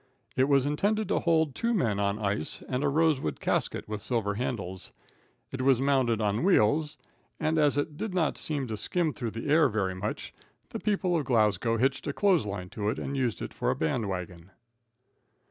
It was intended to hold two men on ice and a rosewood casket with silver handles. It was mounted on wheels, and, as it did not seem to skim through the air very much, the people of Glasgow hitched a clothes line to it and used it for a band wagon.